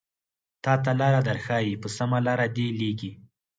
تاته لاره درښايې په سمه لاره دې ليږي